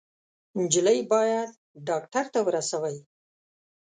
_نجلۍ بايد ډاکټر ته ورسوئ!